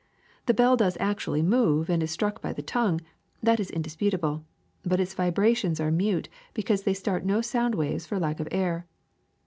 The bell does actually move and is struck by the tongue — that is indisput able — but its vibrations are mute because they start no sound waves for lack of air.